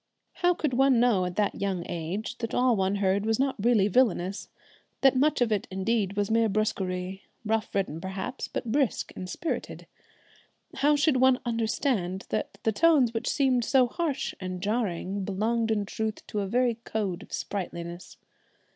How could one know at that young age that all one heard was not really villainous, that much of it indeed was mere brusquerie, rough ridden perhaps, but brisk and spirited? How should one understand that the tones which seemed so harsh and jarring belonged in truth to a very code of sprightliness?